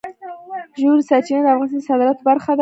ژورې سرچینې د افغانستان د صادراتو برخه ده.